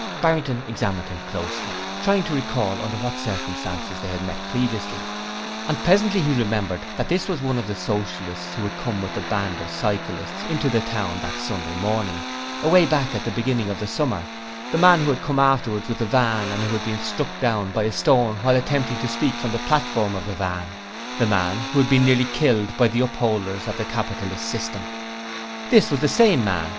Barrington examined him closely, trying to recall under what circumstances they had met previously, and presently he remembered that this was one of the Socialists who had come with the band of cyclists into the town that Sunday morning, away back at the beginning of the summer, the man who had come afterwards with the van, and who had been struck down by a stone while attempting to speak from the platform of the van, the man who had been nearly killed by the upholders of the capitalist system. It was the same man!